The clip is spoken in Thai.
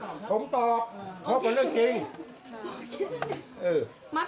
ไม่ต้องตอบครับโอเคนะครับมีปัญหากับสุภาส